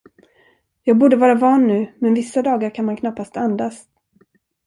Jag borde vara van nu, men vissa dagar kan man knappast andas.